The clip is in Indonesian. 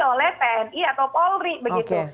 oleh tni atau polri begitu